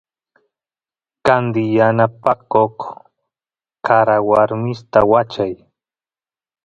candi yanapakoq karawarmista wachay